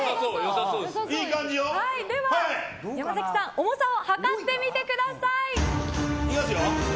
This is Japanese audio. では山崎さん重さを量ってみてください。